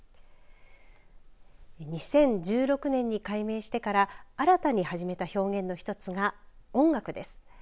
２０１６年に改名してから新たに始めた表現の一つが音楽です。